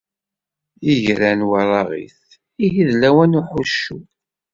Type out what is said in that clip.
Igran weṛṛaɣit, ihi d lawan n uḥuccu